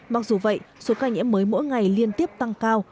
mặc dù vậy số ca nhiễm mới mỗi ngày liên tiếp tăng cao